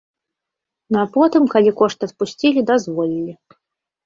Ну а потым, калі кошты адпусцілі, дазволілі.